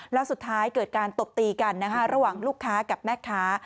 แล้วสุดท้ายเกิดการตบตีกันนะคะระหว่างลูกค้ากับแม่ค้า